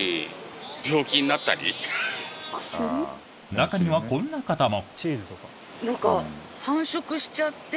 中には、こんな方も。